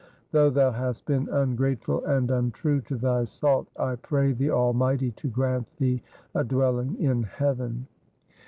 Though thou hast been ungrate ful and untrue to thy salt, I pray the Almighty to grant thee a dwelling in heaven.